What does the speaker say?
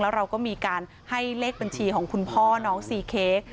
แล้วเราก็มีการให้เลขบัญชีของคุณพ่อน้องซีเค้ก